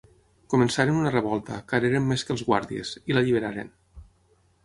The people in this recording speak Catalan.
Començaren una revolta, car eren més que els guàrdies, i l'alliberaren.